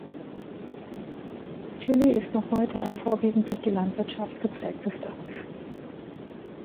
Chilly ist noch heute ein vorwiegend durch die Landwirtschaft geprägtes Dorf.